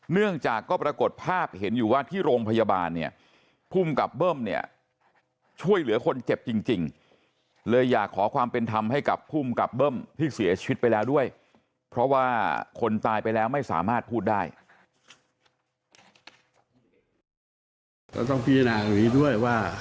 เนื่องจากก็ปรากฏภาพเห็นอยู่ว่าที่โรงพยาบาลเนี่ยภูมิกับเบิ้มเนี่ยช่วยเหลือคนเจ็บจริงเลยอยากขอความเป็นธรรมให้กับภูมิกับเบิ้มที่เสียชีวิตไปแล้วด้วยเพราะว่าคนตายไปแล้วไม่สามารถพูดได้